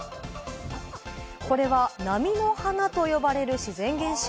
これは波の花と呼ばれる自然現象。